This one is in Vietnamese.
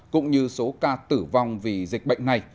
cũng như số ca tử vong vì dịch bệnh này